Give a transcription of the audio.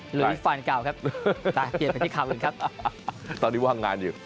หรือวิฟันเก่าครับมาตกนี้ห้องงานอยู่